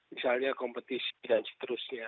misalnya kompetisi dan seterusnya